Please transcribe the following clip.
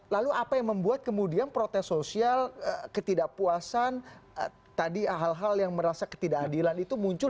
lalu apa yang membuat kemudian protes sosial ketidakpuasan tadi hal hal yang merasa ketidakadilan itu muncul